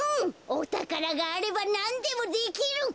おたからがあればなんでもできる！